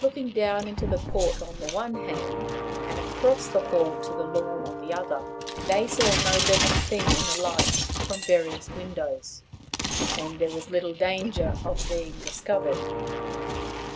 Looking down into the court on the one hand, and across the hall to the lawn on the other, they saw no living thing in the light from various windows, and there was little danger of being discovered.